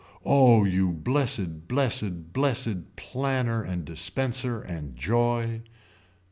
Oh you blessed blessed blessed planner and dispenser and joy.